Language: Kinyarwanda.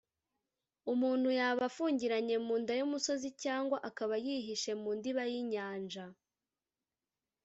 umuntu yaba afungiranye mu nda y’umusozi cyangwa akaba yihishe mu ndiba y’inyanja